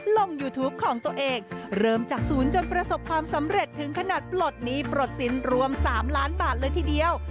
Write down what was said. ลงยูทูปของตัวเองเริ่มจากศูนย์จนประสบความสำเร็จถึงขนาดปลดหนี้ปลดสินรวม๓ล้านบาทเลยทีเดียว